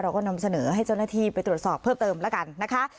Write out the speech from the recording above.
เราก็นำเสนอให้เจ้าหน้าที่ไปตรวจสอบเพิ่มเติมแล้วกันนะคะ